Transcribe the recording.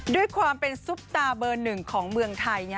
ด้วยความเป็นซุปตาเบอร์หนึ่งของเมืองไทย